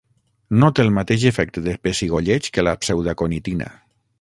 No té el mateix efecte de pessigolleig que la pseudaconitina.